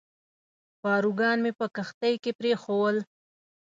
پاروګان مې په کښتۍ کې پرېښوول.